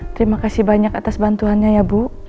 terima kasih banyak atas bantuan nya ya bu